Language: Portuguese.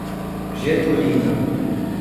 Getulina